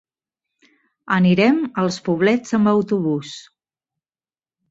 Anirem als Poblets amb autobús.